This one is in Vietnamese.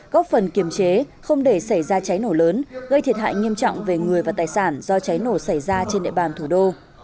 góp phần kiềm chế không để xảy ra cháy nổ lớn gây thiệt hại nghiêm trọng về người và tài sản do cháy nổ xảy ra trên địa bàn thủ đô